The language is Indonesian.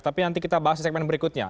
tapi nanti kita bahas di segmen berikutnya